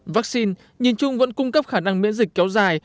vaccine nhìn chung vẫn cung cấp khả năng miễn dịch kéo dài